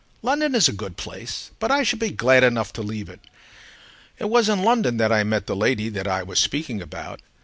London is a good place. But I shall be glad enough to leave it. It was in London that I met the lady I that was speaking about.